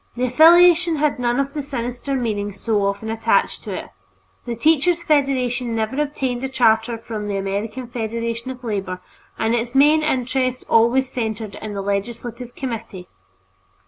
The affiliation had none of the sinister meaning so often attached to it. The Teachers' Federation never obtained a charter from the American Federation of Labor, and its main interest always centered in the legislative committee.